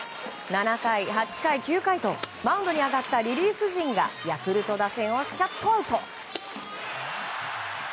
７回、８回、９回とマウンドに上がったリリーフ陣がヤクルト打線をシャットアウト。